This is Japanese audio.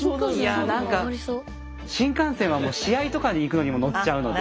いや何か新幹線はもう試合とかに行くのにも乗っちゃうので。